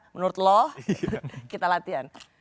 menurut lo kita latihan